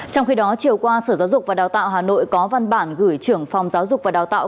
trong khi đó chiều qua sở giáo dục và đào tạo hà nội có văn bản gửi trưởng phòng giáo dục và đào tạo